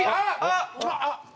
あっ！